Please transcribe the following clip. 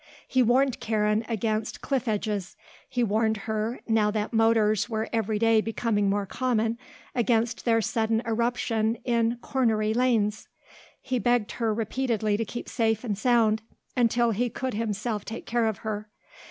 He warned Karen against cliff edges; he warned her, now that motors were every day becoming more common, against their sudden eruption in "cornery" lanes; he begged her repeatedly to keep safe and sound until he could himself take care of her.